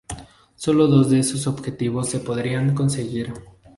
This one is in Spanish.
Solo dos de esos objetivos se podrían conseguir.